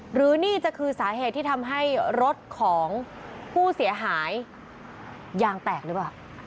หรือนี่จะคือสาเหตุที่ทำให้รถของผู้เสียหายยางแตกหรือเปล่า